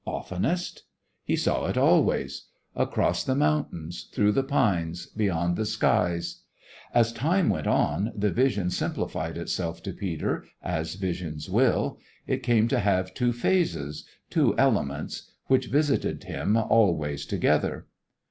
Oftenest? he saw it always; across the mountains, through the pines, beyond the skies. As time went on, the vision simplified itself to Peter, as visions will. It came to have two phases, two elements, which visited him always together.